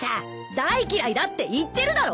大嫌いだって言ってるだろ！